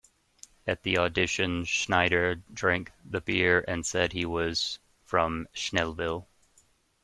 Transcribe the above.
At the audition, Schneider drank the beer and said he was from Snellville.